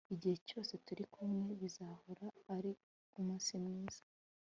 igihe cyose turi kumwe, bizahora ari umunsi mwiza